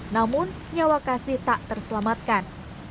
namun nyawa kasih tak terselamatkan